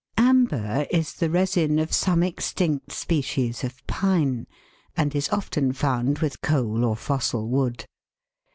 Amber is the resin (Fig. 38) of some extinct speciesof pine, and is often found with coal or fossil wood.